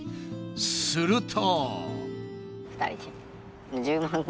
すると。